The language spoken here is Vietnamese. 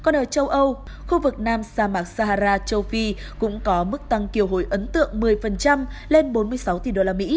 còn ở châu âu khu vực nam sa mạc sahara châu phi cũng có mức tăng kiều hối ấn tượng một mươi lên bốn mươi sáu tỷ usd